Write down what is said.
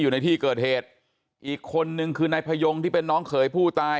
อยู่ในที่เกิดเหตุอีกคนนึงคือนายพยงที่เป็นน้องเขยผู้ตาย